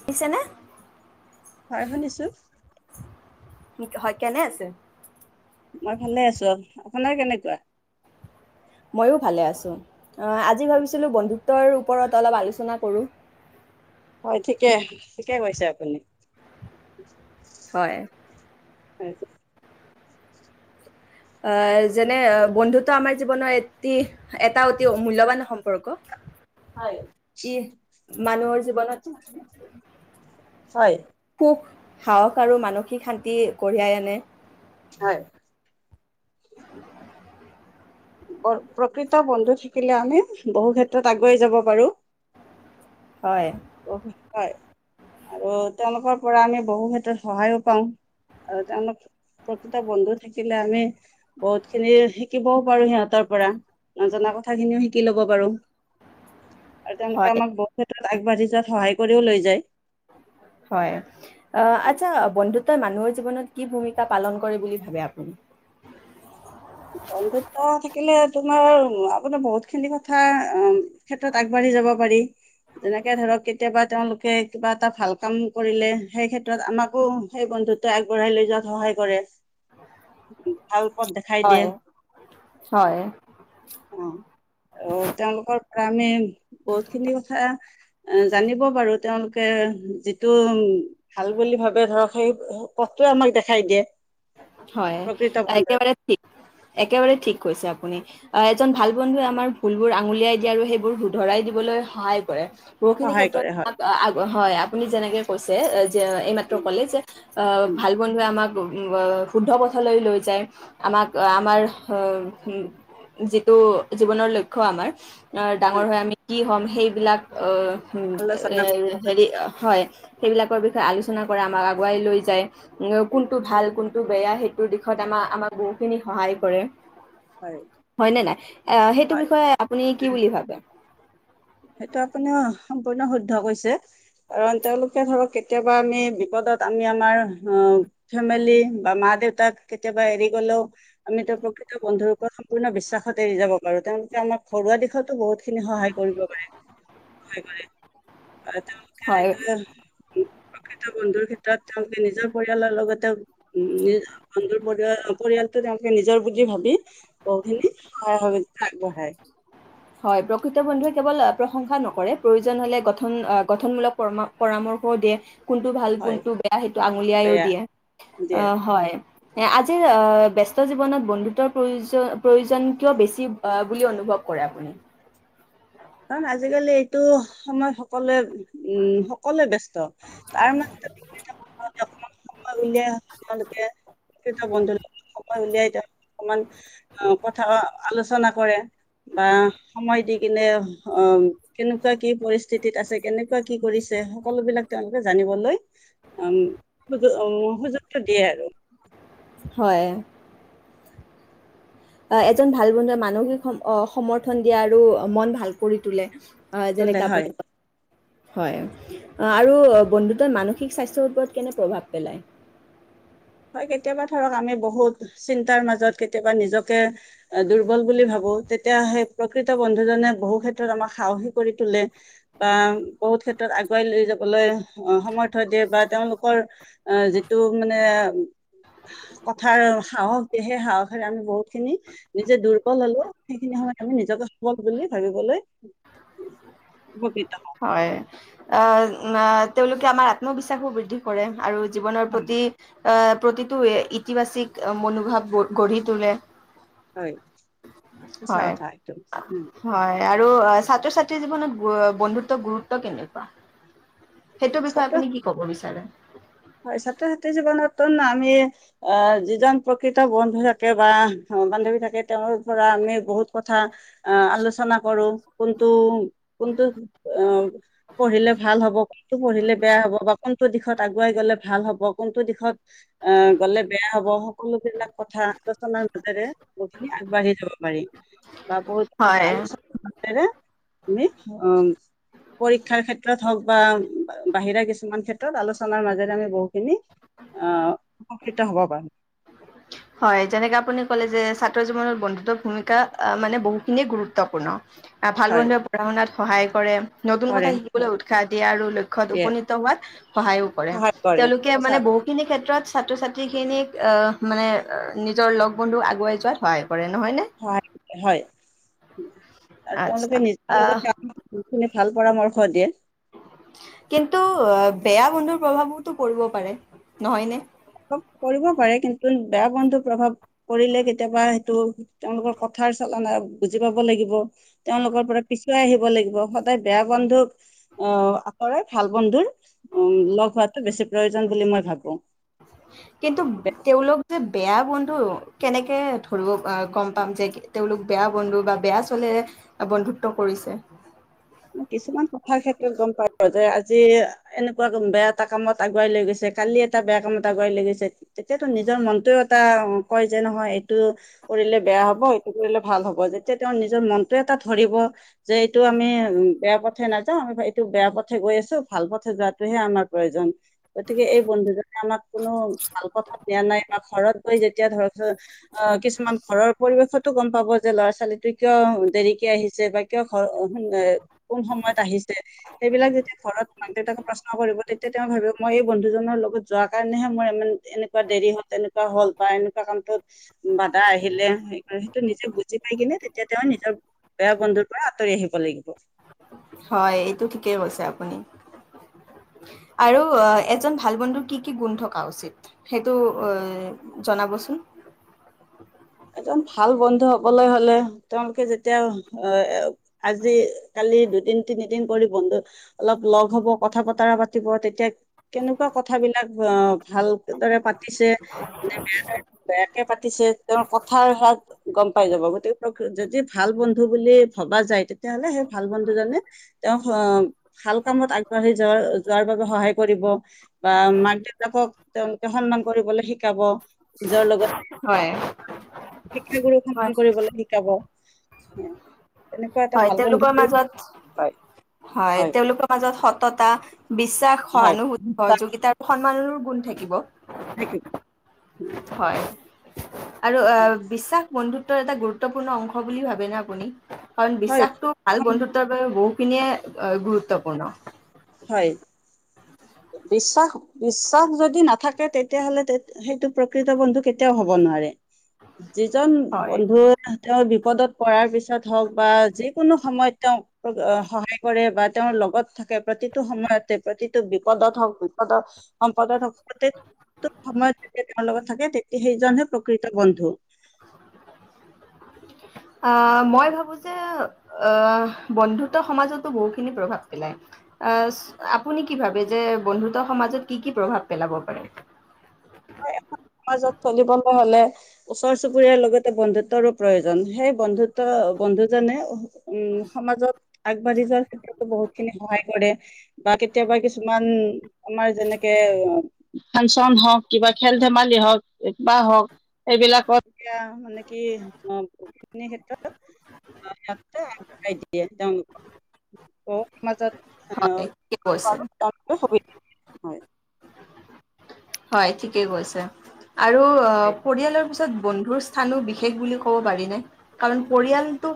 শুনিছেনে হয় শুনিছো হয় কেনে আছে মই ভালে আছো অ আপোনাৰ কেনেকুৱা ময়ো ভালে আছো আজি ভাবিছিলো বন্ধুত্বৰ ওপৰত অলপ আলোচনা কৰোঁ হয় ঠিকে ঠিকে কৈছে আপুনি হয় হয় আহ যেনে বন্ধুত্ব আমাৰ জীৱনৰ এতি এটা অতি মূল্যৱান সম্পৰ্ক হয় ই মানুহৰ জীৱনত হয় সুখ সাহস আৰু মানসিক শান্তি কঢ়িয়াই আনে হয়',। প্ৰকৃত বন্ধু থাকিলে আমি বহু ক্ষেত্ৰত আগুৱাই যাব পাৰোঁ। হয়। বহুত হয় আৰু তেওঁলোকৰ পৰা আমি বহু ক্ষেত্ৰত সহায়ো পাওঁ আৰু তেওঁলোক প্ৰকৃত বন্ধু থাকিলে আমি বহুত খিনি শিকিবও পাৰোঁ সিহঁতৰ পৰা, নজনা কথাখিনিও শিকি লব পাৰোঁ। আৰু তেওঁলোকে হয়, আমাক বহুত ক্ষেত্ৰত, আগবাঢ়িছে, য'ত সহায় কৰিও লৈ যায়। হয়, আহ আচ্ছা বন্ধুত তই মানুহৰ জীৱনত কি ভূমিকা পালন কৰে বুলি ভাবে আপুনি? বন্ধুত্ব থাকিলে তোমাৰ, আপোনাৰ বহুতখিনি কথা ক্ষেত্ৰত আগবাঢ়ি যাব পাৰি। যেনেকে ধৰক কেতিয়াবা তেওঁলোকে কিবা এটা ভাল কাম কৰিলে, সেইক্ষেত্ৰত আমাকো সেই বন্ধুত্বই আগবঢ়াই লৈ যোৱাত সহায় কৰে। ভাল পথ দেখা দিয়ে, হয়, হয়। অ', তেওঁলোকৰ গামেম বহুতখিনি কথা আ জানিব পাৰোঁ। তেওঁলোকে যিটো ভাল বুলি ভাবে ধৰক, সেই পথটোৱে আমাক দেখাই দিয়ে। হয়, প্ৰকৃত বন্ধুৱে একেবাৰে ঠিক। একেবাৰে ঠিক কৈছে আপুনি, এজন ভাল বন্ধুৱে আমাৰ ভুলবোৰ আঙুলিয়াই দিয়ে আৰু সেইবোৰ শুধৰাই দিবলৈ সহায় কৰে। বহুতখিনি সহায় ক্ষেত্ৰত কৰে হয়। [unintelligible] হয় আপুনি যেনেকে, কৈছে যে যে, এইমাত্ৰ উম, ক'লে যে, আ উম, ভাল বন্ধুৱে আমাক [unintelligible] শুদ্ধ পথলৈ লৈ যায় আমাক, আমাৰ যিটো জীৱনৰ লক্ষ্য আমাৰ ডাঙৰ হয় হৈ আমি কি হ'ম? সেইবিলাক অ' হুম, এ, আলোচনা হেৰি হয়। সেইবিলাকৰ বিষয়ে আলোচনা কৰে আমাক আগুৱাই লৈ যায়। উ, কোনটো ভাল কোনটো টো বেয়াহে যুনটো দিশত আমাৰ-আমাৰ গ খিনি সহায় কৰে। হয় হয়নে নাই? আ সেইটো হয় বিষয়ে আপুনি কি বুলি ভাবে? সেইটো আপুনি সম্পূৰ্ণ শুদ্ধ কৈছে। কাৰণ তেওঁলোকে ধৰক কেতিয়াবা আমি বিপদত আমি আমাৰ ফেমেলি বা মা-দেউতাক কেতিয়াবা এৰি গলেওঁ, আমি এতিয়া প্ৰকৃত বন্ধুৰ ওপৰত সম্পূৰ্ণ বিশ্বাসত এৰিব যাব পাৰোঁ। তেওঁলোকে আমাক ঘৰুৱা দিশত বহুতখিনি সহায় কৰিব পাৰে। বাই-বাই। অ-তেওঁলোকে হয় এতিয়া, প্ৰকৃত বন্ধুৰ ক্ষেত্ৰত তেওঁলোকে নিজৰ পৰিয়ালৰ লগতে উম, নিজ বন্ধুৰ পৰিয়াল- পৰিয়ালতটো, তেওঁলোকে নিজৰ বুলি ভাবি বহুখিনি সহায় হ আগবঢ়াই। হয়', প্ৰকৃত বন্ধুৱে কেৱল প্ৰশংসা নকৰে, প্ৰয়োজন হলে গঠন-গঠনমূলক পৰামৰ্শও দিয়ে। কোনটো ভাল, হয় কোনটো বেয়া, সেইটো আঙুলিয়াইও বেয়া দিয়ে অ', দিয়ে। হয়', আজিৰ ব্যস্ত জীৱনত বন্ধুত্বৰ প্ৰয়োজন-প্ৰয়োজন কিয় বেছি অ', বুলি অনুভৱ কৰে আপুনি? কাৰণ আজিকালি এইটো সময়ত সকলোৱে, উম', সকলোৱে ব্যস্ত তাৰ মাজতে অলপমান সময় উলিয়াই, তেওঁলোকে প্ৰকৃত বন্ধুক সময় উলিয়াই তেওঁ অকমান কথা আলোচনা কৰে বা সময় দি কিনে, অ', কেনেকুৱা কি', পৰিস্থিতিত আছে, কেনেকুৱা কি', কৰিছে, সকলো বিলাক তেওঁলোকে জানিবলৈ উম', সুযোগটো দিয়ে আৰু। হয়', এজন ভাল বন্ধুৱে মানসিক সমৰ্থন দিয়ে আৰু মন ভাল কৰি তোলে। হয়', তোলে যেনেকৈ হয় আপুনি হয়',। আৰু বন্ধুত্ব মানসিক স্বাস্থ্যৰ ওপৰত কেনে প্ৰভাৱ পেলায়? হয়', কেতিয়াবা ধৰক আমি বহুত চিন্তাৰ মাজত কেতিয়াবা নিজকে দুৰ্বল বুলি ভাবো, তেতিয়া সেই প্ৰকৃত বন্ধুজনে বহু ক্ষেত্ৰত আমাক সাহসী কৰি তোলে বা বহুত ক্ষেত্ৰত আগুৱাই লৈ যাবলৈ সমৰ্থয় দিয়ে বা তেওঁলোকৰ যিটো মানে কথাৰ সাহস দিয়ে সেই সাহসেৰে আমি বহুত খিনি নিজে দুৰ্বল হ'লো সেইখিনি সময়ত আমি নিজকে সবল বুলি ভাবিবলৈ উপকৃত। হয়', আ', তেওঁলোকে আমাৰ আত্মবিশ্বাসো বৃদ্ধি কৰে। আৰু জীৱনৰ হম প্ৰতি, আহ', প্ৰতিটো ইতিবাচিক মনোভাৱ গঢ়ি তোলে। হয়', সঁচা হয়। কথা এইটো উম',। হয় আৰু অ', ছাত্ৰ-ছাত্ৰীৰ জীৱনত বন্ধুত্ব, গুৰুত্ব কেনেকুৱা? সেইটো বিষয়ে ছাত্ৰ আপুনি কি ক'ব বিচাৰে? হয়', ছাত্ৰ-ছাত্ৰী জীৱনতো আমি অ', যিজন প্ৰকৃত বন্ধু থাকে বা বান্ধৱী থাকে, তেওঁৰ পৰা আমি বহুত ক কথা আলোচনা কৰো। কোনটো-কোনটো অ', পঢ়িলে ভাল হ'ব, কোনটো পঢ়িলে বেয়া হ'ব বা কোনটো দিশত আগ, পোৱাই গ'লে ভাল হ'ব কোনটো দিশত, আহ', গ'লে বেয়া হব। সকলোবিলাক কথা আলোচনাৰ মাজেৰে বহুখিনি আগবাঢ়ি যাব পাৰি বা বহুত হয়। আলোচনাৰ মাজেৰে আমি অ', পৰীক্ষাৰ ক্ষেত্ৰত হক বা বাহিৰা কিছুমান ক্ষেত্ৰত আলোচনা, আলোচনাৰ মাজেৰে আমি বহুখিনি, [unintelligible] [unintelligible] হয়', যেনেকে আপুনি কলে যে- ছাত্ৰ জীৱনত বন্ধুত্ব ভূমিকা মানে বহুখিনিয়ে গুৰুত্বপূৰ্ণ ভাল হয় বন্ধুয়ে পঢ়া শুনাত, সহায় কৰে। নতুন কথা কৰে শিকিবলৈ হয় উৎসাহ দিয়ে আৰু লক্ষ্যত দিয়ে উপনীত হোৱাত সহায়ো কৰে। সহায় তেওঁলোকে মানে সঁচা বহুখিনি ক্ষেত্ৰত ছাত্ৰ ছাত্ৰী খিনিক অহ মানে নিজৰ লগ বন্ধু আগুৱাই যোৱাত হয় [unintelligible] হয়। আৰু আচ্ছা তেওঁলোকে নিজৰ আহ লগতে [unintelligible] ভাল পৰামৰ্শ দিয়ে। কিন্তু বেয়া বন্ধুৰ প্ৰভাৱতো পৰিব পাৰে নহয়নে? পৰিব পাৰে কিন্তু বেয়া বন্ধুৰ প্ৰভাৱ কৰিলে কেতিয়াবা সেইটো তেওঁলোকৰ কথাৰ চলনা বুজি পাব লাগিব। তেওঁলোকৰ পৰা পিছুৱাই আহিব লাগিব। স সদাই বেয়া বন্ধুক অহ আঁতৰেই ভাল বন্ধুৰ উম লগ হৱাটো বেছি প্ৰয়োজন বুলি মই ভাবো। কিন্তু তেওঁলোক যে বেয়া বন্ধু কেনেকে ধৰিব আ গম পাম যে তেওঁলোক বেয়া বন্ধু বা বেয়া চলেৰে বন্ধুত্ব কৰিছে। কিছুমান কথাৰ ক্ষেত্ৰত গম পাই যে আজি যি এনেকুৱাকে বেয়া এটা কামত আগুৱাই লৈ গৈছে, কালি এটা বেয়া কামত আগুৱাই লৈ গৈছে। তেতিয়াতো নিজৰ মনটোয়েও কয় যে নহয় এইটো কৰিলে বেয়া হব এইটো কৰিলে ভাল হব যেতিয়া তেওঁ নিজৰ মনটোৱ এটা ধৰিব যে এইটো আমি বেয়া পথে নাযাওঁ [unintelligible] এইটো বেয়া পথে গৈ আছো ভাল পথে যোৱাটোহে আমাৰ প্ৰয়োজন। গতিকে এই বন্ধুজনে আমাক কোনো ভাল পথ দিয়া নাই বা ঘৰত গৈ যেতি এতিয়া ধৰক য কিছুমান ঘৰৰ পৰিৱেশতো গম পাব যে ল'ৰা ছ ছোৱালীটোয়ে কিয় দেৰিকে আহিছে বা কিয় ঘৰ [unintelligible] কোন সময়ত আহিছে সেইবিলাক যেতিয়া ঘৰত মাক দেউতাকে প্ৰশ্ন কৰিব তেতিয়া তেওঁ ভাবিব মই এই বন্ধুজনৰ লগত যোৱা যোৱা কাৰণেহে মোৰ ই এনেকুৱা দেৰি হল তেনেকুৱা হ'ল বা এনেকুৱা কামটোত বাধা আহিলে [unintelligible] সেইটো নিজে বুজি খাই কিনে তেতিয়া তেওঁ নিজৰ বেয়া বন্ধুৰ পৰা আঁতৰি আহিব লাগিব। হয়। এইটো ঠিকেই কৈছে আপুনি আৰু এজন ভাল বন্ধুৰ কি কি গুণ থকা উচিত সেইটো জনাবচোন? একদম ভাল বন্ধু হবলৈ হলে তেওঁলোকে যেতিয়া আজি কালি দুদিন তিনিদিন কৰি বন্ধু অলপ লগ হব কথা বতৰা পাতিব, তেতিয়া কেনেকুৱা কথাবিলাক ভাল দৰে পাতিছে নে বেয়াকে বেয়াকে পাতিছে। তেওঁৰ কথাৰ [unintelligible] গম পাই যাব গতিক যদি ভাল বন্ধু বুলি ভবা যায় তেতিয়াাহলে সেই ভাল বন্ধু জনে তেওঁক আহ ভাল কামত আগবাঢ়ি যোৱাৰ যোৱাৰ বাবে সহায় কৰিব বা মাক দেউতাকক তেওঁলোকে সন্মান কৰিবলৈ শিকাব নিজৰ লগত হয়। [inaudible] শিক্ষাগুৰুক হয় সন্মান কৰিবলৈ শিকাব। এ হয়। তেওঁলোকৰ মাজত হয় হয়। তেওঁলোকৰ মাজত সত্ৰ -তা বিশ্বাস, হয় সহানুভূতি, বিশ্বাস সহযোগিতা সন্মানৰ, কোন থাকিব? [unintelligible] হয়', আৰু বিশ্বাস বন্ধুত, টো এটা গুৰুত্বপূৰ্ণ অংশ বুলি ভাবেনে আপুনি? কাৰণ হয় বিশ্বাসটো ভাল সম- বন্ধুত্বৰ বাবে বহুত, এইখিনিয়ে গুৰুত্বপূৰ্ণ। হয়, বিশ্বাস-বিশ্বাস যদি নাথাকে, তেতিয়াহ'লে সেইটো প্ৰকৃত বন্ধু কেতিয়াও হ'ব নোৱাৰে। যিজন হয়। বন্ধু তেওঁৰ বিপ বিপদত পৰাৰ পিছত হওক বা যিকোনো সময়ত তেওঁক সহায় কৰে বা তেওঁৰ লগত থাকে প্ৰতিটো সময়তে প্ৰতিটো বিপদত হওক, বিপদত-সম্পদত হওক, প্ৰতিটো সময়ত, যেতিয়া তেওঁৰ লগত থাকে তেতিয়া সেইজনহে প্ৰকৃত বন্ধু। আহ, মই, ভাবো যে, আহ, বন্ধুত্ব সমাজতো বহুখিনি প্ৰভাৱ পেলায়। আহ আপুনি কি ভাবে যে বন্ধুত্ব সমাজত কি কি প্ৰভাৱ পেলাব পাৰে? হয়, এখন সমাজত চলিবলৈ হ'লে ওচৰ-চুবুৰীয়াৰ লগতে বন্ধুত্বৰো প্ৰয়োজন। সেই বন্ধুত্ব-বন্ধুজনে উম সমাজত আগবাঢ়ি যোৱাৰ ক্ষেত্ৰতো বহুতখিনি সহায় কৰে, বা কেতিয়াবা কিছুমান আমাৰ যেনেকে ফাংচন হওক কিবা খেল-ধেমালি হওক বা হওক এইবিলাকত এইয়া মানে কি বহুখিনি ক্ষেত্ৰত ইহঁতে আগবঢ়াই দিয়ে তেওঁলোকৰ মাজত [unintelligible] হয় ঠিকে কৈছে। [unintelligible] হয় হয়, ঠিকেই কৈছে। আৰু হয় অ', পৰিয়ালৰ পিছত তত বন্ধুৰ স্থানো বিশেষ বুলি ক'ব পাৰি নে? কাৰণ পৰিয়ালতটো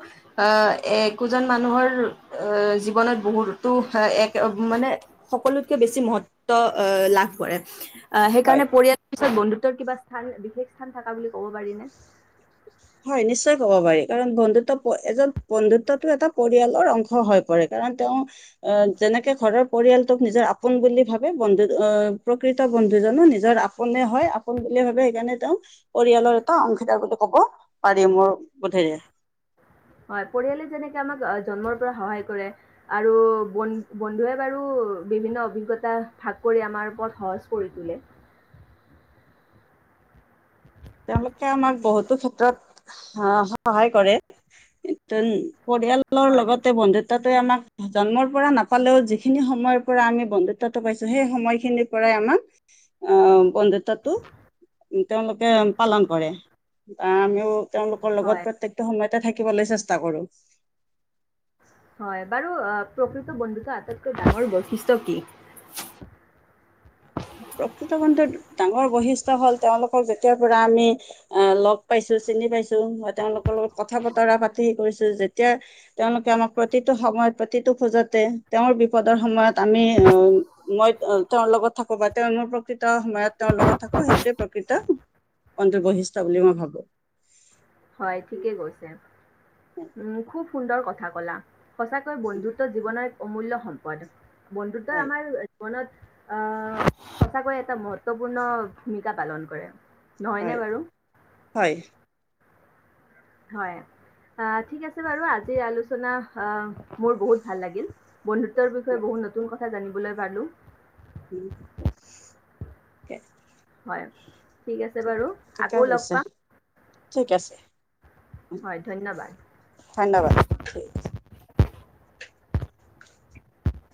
আহ একোজন মানুহৰ এ, জীৱনত বহুতো এক মানে সকলোতকে বেছি মহত্ব লাভ কৰে। আ হয়। সেইকাৰণে পৰিয়ালৰ পিছত বন্ধু, সেইটোৰ কিবা স্থান, বিশেষ স্থান থাকা বুলি ক'ব পাৰিনে? হয়, নিশ্চয় ক'ব পাৰি কাৰণ বন্ধুত্ব এজন, বন্ধুত্বতো এটা পৰিয়ালৰ অংশ হৈ পৰে। কাৰণ তেওঁ আহ, যেনেকে ঘৰৰ পৰিয়ালটোক নিজৰ আপোন বুলি ভাবে বন্ধু, প্ৰকৃত বন্ধুজনো নিজৰ আপোনে হয়, আপোন বুলি ভাবে সেইকাৰণে তেওঁ পৰিয়ালৰ এটা অংশীদাৰ বুলি ক'ব পাৰি, মোৰ বোধেৰে হয় পৰিয়ালে যেনেকে আমাক জন্মৰ পৰা সহায় কৰে আৰু বন্ধ-বন্ধুৱে বাৰু বিভিন্ন অভিজ্ঞতা ভাগ কৰি আমাৰ পথ সহজ কৰি তোলে। তেওঁলোকে আমাক বহুতো ক্ষেত্ৰত আহ, সহায় কৰে, পৰিয়ালৰ হয় লগতে বন্ধুত্বটোৱে আমাক জন্মৰ পৰা নাপালেও যিখিনি সময়ৰ পৰা আমি বন্ধুত্বটো পাইছো, সেই সময়খিনিৰ পৰাই আমাক আহ, বন্ধুত্বটো তেওঁলোকে। পালন কৰে, আমিও তেওঁলোকৰ হয় লগত প্ৰত্যেকটো সময়ত থাকিবলৈ চেষ্টা কৰোঁ। হয় বাৰু, প্ৰকৃত বন্ধুত্বৰ আটাইতকৈ ডাঙৰ বৈশিষ্ট্য কি? প্ৰকৃত বন্ধুত্ব ডাঙৰ বৈশিষ্ট্য হ'ল, তেওঁলোকক যেতিয়াৰ পৰা আমি আহ, লগ পাইছো, চিনি পাইছো, বা তেওঁলোকৰ লগত কথা-বতৰা পাতি কৰিছো, যেতিয়া তেওঁলোকে আমাক প্ৰতিটো সময়ত, প্ৰতিটো খোজতে তেওঁৰ বিপদৰ সময়ত আমি, মই তেওঁৰ লগত থাকো বা তেওঁ মোৰ প্ৰকৃত সময়ত তেওঁৰ লগত থাকো সেইটোৱে প্ৰকৃত বন্ধুৰ বৈশিষ্ট্য বুলি মই ভাবো। হয়, ঠিকেই কৈছে। উম, খুব সুন্দৰ কথা ক'লা। সঁচাকৈ বন্ধুত্ব জীৱনৰ অমূল্য সম্পদ। বন্ধুত্বই হয় আমাৰ জীৱনত আ সঁচাকৈয়ে এটা মহত্বপূৰ্ণ ভূমিকা পালন কৰে। নহয়নে হয়। বাৰু হয়। হয়। অ ঠিক আছে বাৰু আজিৰ আলোচনা অহ মোৰ বহুত ভাল লাগিল বন্ধুত্বৰ বিষয়ে বহুত নতুন কথা কথা জানিবলৈ পালোঁ। [unintelligible] [unintelligible] হয়। ঠিক আছে বাৰু ঠিকে আকৌ লগ কৈছে পাম। ঠিক আছে। হয় ধন্যবাদ ধন্যবাদ। থিক আছে। [inaudible]